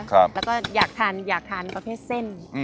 และก็อยากทานเบอร์เผ็ดเส้น